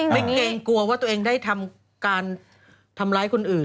เกรงกลัวว่าตัวเองได้ทำการทำร้ายคนอื่น